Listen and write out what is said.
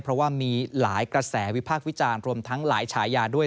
เพราะว่ามีหลายกระแสวิพากษ์วิจารณ์รวมทั้งหลายฉายาด้วย